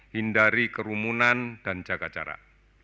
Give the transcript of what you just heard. hindari kerumunan dan jaga jarak